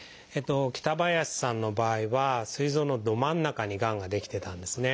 北林さんの場合はすい臓のど真ん中にがんが出来てたんですね。